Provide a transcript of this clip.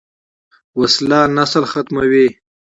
وسله نسل ختموي